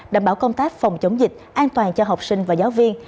đảm bảo công tác phòng chống dịch an toàn cho học sinh và giáo viên